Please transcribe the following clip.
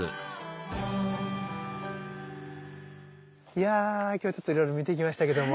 いや今日ちょっといろいろ見てきましたけども。